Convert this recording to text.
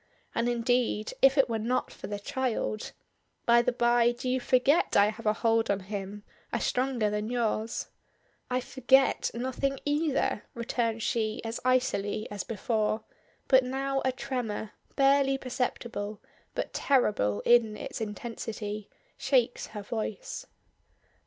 And indeed if it were not for the child By the bye, do you forget I have a hold on him a stronger than yours?" "I forget nothing either," returns she as icily as before; but now a tremor, barely perceptible, but terrible in its intensity, shakes her voice.